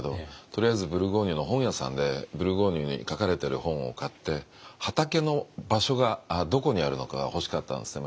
とりあえずブルゴーニュの本屋さんでブルゴーニュに書かれてる本を買って畑の場所がどこにあるのかが欲しかったんですね